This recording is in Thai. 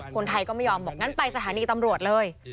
คนไทยก็ไม่ยอมบอกงั้นไปสถานีตำรวจเลย